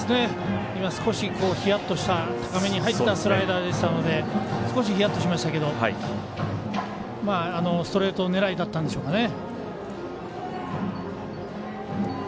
今、少しヒヤッとした高めに入ったスライダーでしたが少しヒヤッとしましたけどストレート狙いだったんでしょうかね。